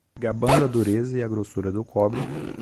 Gabando a dureza e a grossura do cobre